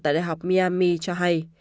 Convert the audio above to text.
tại đại học miami cho hay